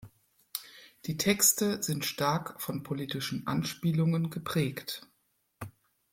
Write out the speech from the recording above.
Die Texte sind stark von politischen Anspielungen geprägt.